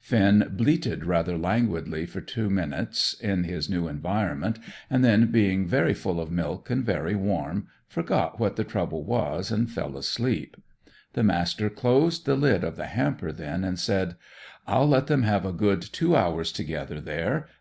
Finn bleated rather languidly for two minutes in his new environment, and then, being very full of milk, and very warm, forgot what the trouble was and fell asleep. The Master closed the lid of the hamper then, and said: "I'll let them have a good two hours together there.